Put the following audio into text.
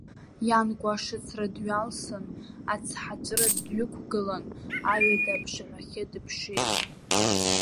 Ианкәа ашыцра дҩалсын, ацҳаҵәры дҩықәгылан, аҩада аԥшаҳәахьы дыԥшит.